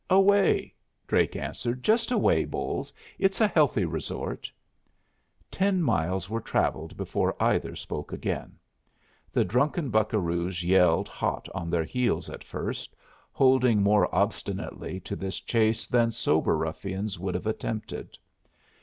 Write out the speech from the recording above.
"Away," Drake answered. "Just away, Bolles. It's a healthy resort." Ten miles were travelled before either spoke again. The drunken buccaroos yelled hot on their heels at first, holding more obstinately to this chase than sober ruffians would have attempted.